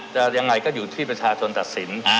ยังไงก็อยู่ที่ประชาชนตัดสิน